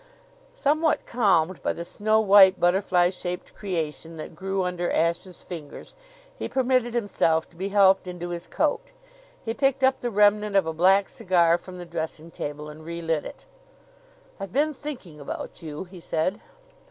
Somewhat calmed by the snow white butterfly shaped creation that grew under Ashe's fingers, he permitted himself to be helped into his coat. He picked up the remnant of a black cigar from the dressing table and relit it. "I've been thinking about you," he said.